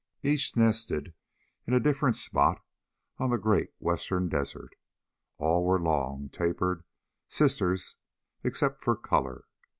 Each nested in a different spot on the great Western Desert. All were long, tapered, sisters except for color.